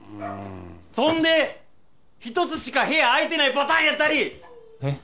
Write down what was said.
そんで１つしか部屋あいてないパターンやったりえっ？